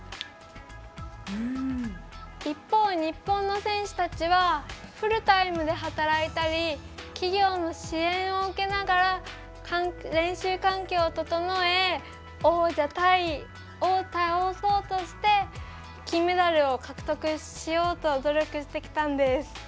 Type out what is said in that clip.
一方、日本の選手たちはフルタイムで働いたり企業の支援を受けながら練習環境を整え王者タイを倒そうとして金メダルを獲得しようと努力してきたんです。